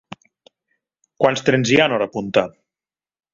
Quants trens hi ha en hora punta?